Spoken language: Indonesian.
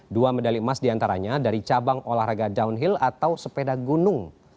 dua medali emas diantaranya dari cabang olahraga downhill atau sepeda gunung